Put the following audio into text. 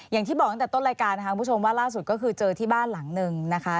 อย่างที่บอกตั้งแต่ต้นรายการนะคะคุณผู้ชมว่าล่าสุดก็คือเจอที่บ้านหลังหนึ่งนะคะ